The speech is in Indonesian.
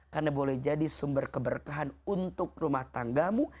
karena boleh jadi sumber keberkahan untuk rumah tanggamu